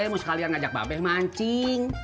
mau sekalian ngajak babes mancing